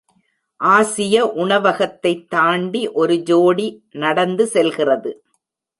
ஆசிய உணவகத்தைத் தாண்டி ஒரு ஜோடி நடந்து செல்கிறது.